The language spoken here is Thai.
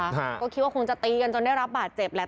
ฮะก็คิดว่าคงจะตีกันจนได้รับบาดเจ็บแหละ